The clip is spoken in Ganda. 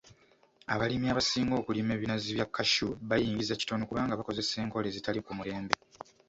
Abalimi abasinga okulima ebinazi bya cashew bayingiza kitono kubanga bakozesa enkola ezitali ku mulembe.